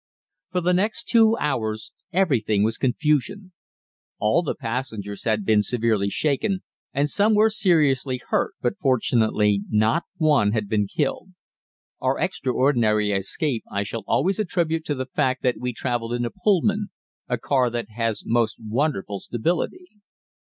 For the next two hours everything was confusion. All the passengers had been severely shaken, and some were seriously hurt, but fortunately not one had been killed. Our extraordinary escape I shall always attribute to the fact that we travelled in a Pullman, a car that has most wonderful stability.